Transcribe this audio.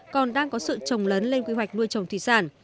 còn đang có sự trồng lớn lên quy hoạch nuôi trồng thủy sản